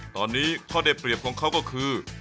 ตอนนี้ข้อได้เปรียบของเขาก็คือ